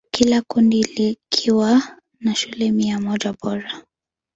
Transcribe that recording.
Kila kundi likiwa na shule mia moja bora.